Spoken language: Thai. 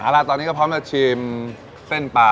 เอาล่ะตอนนี้ก็พร้อมจะชิมเส้นปลา